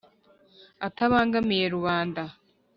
atabangamiye rubanda